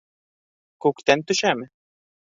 - Күктән төшәме?